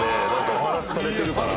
お話しされてるから。